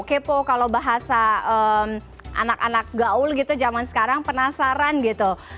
kepo kalau bahasa anak anak gaul gitu zaman sekarang penasaran gitu